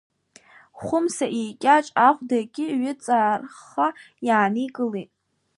Хәымса икьаҿ ахәдагьы ҩыҵархха иааникылеит.